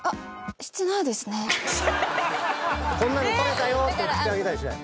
「こんなの撮れたよ」って送ってあげたりしない？